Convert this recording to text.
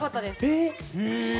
えっ！